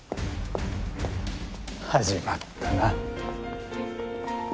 始まったな。